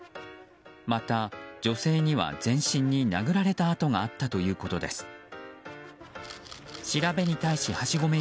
また、女性には全身に殴られた痕があったということです。